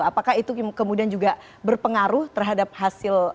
apakah itu kemudian juga berpengaruh terhadap hasil